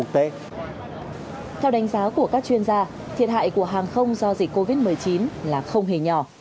theo đánh giá của các chuyên gia thiệt hại của hàng không do dịch covid một mươi chín là không hề nhỏ